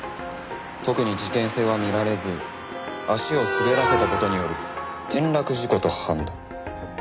「特に事件性はみられず足を滑らせた事による転落事故と判断」